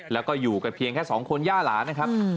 แล้วก็อยู่กันเพียงแค่๒คนย่าหลานนะครับ